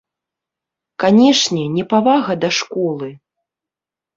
Канечне, непавага да школы.